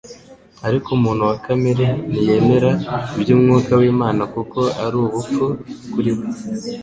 «Ariko umuntu wa kamere ntiyemera iby'Umwuka w'Imana, kuko ari ubupfu kuri we;